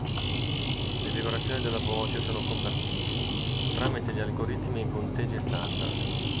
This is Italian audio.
Le vibrazioni della voce sono convertiti tramite gli algoritmi in punteggi standard.